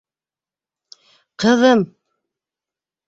-Ҡыҙым!